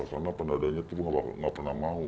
karena pendadanya tuh nggak pernah mau